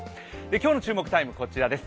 今日の注目タイムはこちらです。